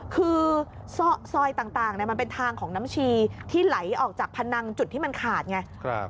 คือซอกซอยต่างต่างเนี้ยมันเป็นทางของน้ำชีที่ไหลออกจากพนังจุดที่มันขาดไงครับ